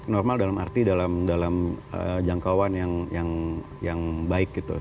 normal dalam arti dalam jangkauan yang baik gitu